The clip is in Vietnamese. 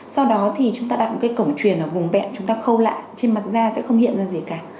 sau đó thì chúng ta đặt một cái cổng truyền ở vùng bẹn chúng ta khâu lại trên mặt da sẽ không hiện ra gì cả